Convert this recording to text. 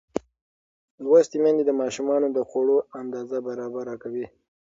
لوستې میندې د ماشومانو د خوړو اندازه برابره کوي.